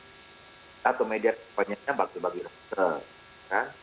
media media kampanye nya bagi bagi raksasa